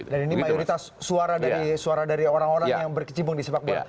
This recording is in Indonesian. dan ini mayoritas suara dari orang orang yang berkecimpung di sepak bola